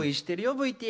ＶＴＲ。